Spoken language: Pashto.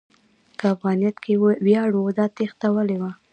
که افغانیت کې ویاړ و، دا تېښته ولې وه؟